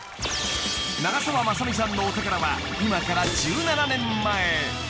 ［長澤まさみさんのお宝は今から１７年前］